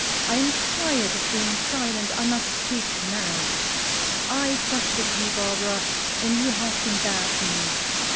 I am tired of being silent; I must speak now. I trusted you, Barbara, and you have been bad to me.